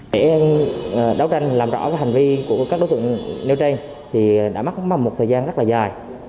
để đấu tranh làm rõ hành vi của các đối tượng nêu tranh thì đã mắc mầm một thời gian rất là dài